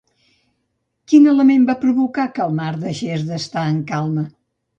Quin element va provocar que el mar deixés d'estar en calma?